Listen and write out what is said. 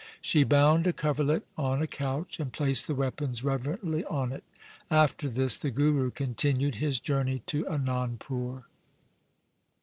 She bound a coverlet on a couch and placed the weapons reverently on it. After this the Guru continued his journey to Anandpur.